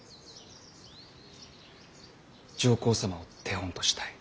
上皇様を手本としたい。